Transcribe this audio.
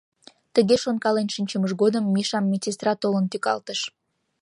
Тыге шонкален шинчымыж годым Мишам медсестра толын тӱкалтыш: